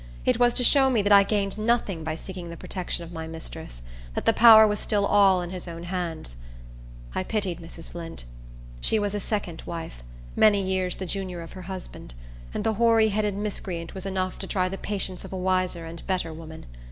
It was to show me that I gained nothing by seeking the protection of my mistress; that the power was still all in his own hands. I pitied Mrs. Flint. She was a second wife, many years the junior of her husband; and the hoary headed miscreant was enough to try the patience of a wiser and better woman.